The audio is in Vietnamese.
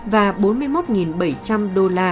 và bốn mươi một bảy trăm linh đô la